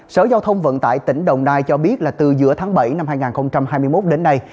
sở giao thông vận tải tỉnh đồng nai cho biết là từ giữa tháng bảy năm hai nghìn hai mươi một đến nay